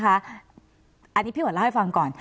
อันนี้พี่หวันเล่าให้ฟังก่อน